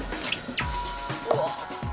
「うわっ」